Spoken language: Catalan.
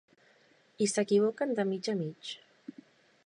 I s'equivoquen de mig a mig.